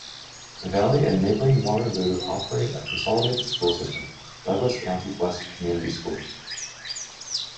Valley and neighboring Waterloo operate a consolidated school system, Douglas County West Community Schools.